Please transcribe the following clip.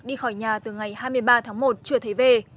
đi khỏi nhà từ ngày hai mươi ba tháng một chưa thấy về